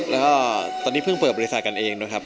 แล้วก็ตอนนี้เพิ่งเปิดบริษัทกันเองด้วยครับ